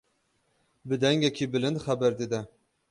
Bi dengekî bilind xeber dide.